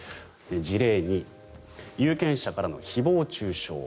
事例２有権者からの誹謗・中傷。